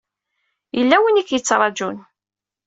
Yella win i k-yettṛajun.